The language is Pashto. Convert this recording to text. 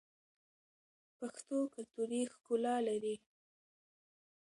پښتو کلتوري ښکلا لري.